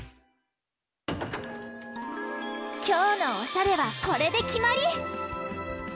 きょうのおしゃれはこれできまり！